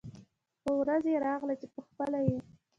خو ورځ يې راغله چې خپله یې